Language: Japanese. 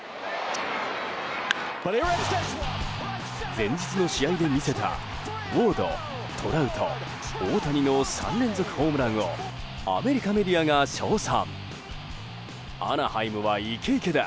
前日の試合で見せたウォード、トラウト、大谷の３連続ホームランをアメリカメディアが称賛。